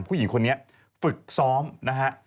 ผู้หญิงคนนี้ฝึกซ้อมนะฮะ